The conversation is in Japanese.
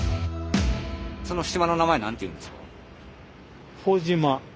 その島の名前何ていうんですか？